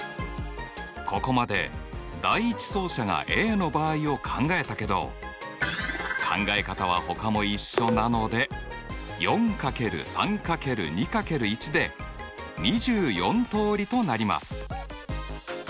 ここまで第１走者がＡの場合を考えたけど考え方はほかも一緒なので４×３×２×１で２４通りとなります！